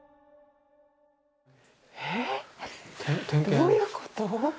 えっどういうこと？